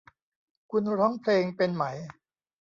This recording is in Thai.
คุณร้องเพลงเป็นไหม